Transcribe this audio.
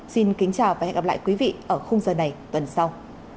xin kính chào và hẹn gặp lại quý vị ở khung giờ này tuần sau